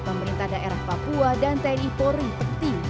pemerintah daerah papua dan tni polri penting